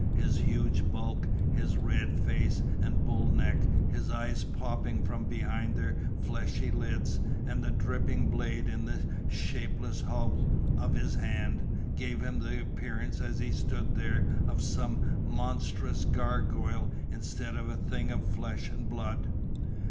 His huge bulk, his red face and bull neck, his eyes popping from behind their fleshy lids, and the dripping blade in the shapeless hulk of his hand gave him the appearance as he stood there of some monstrous gargoyle instead of a thing of flesh and blood.